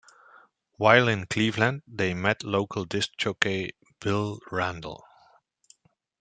While in Cleveland, they met local disc jockey Bill Randle.